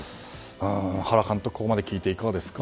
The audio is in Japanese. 原監督、ここまで聞いていかがですか？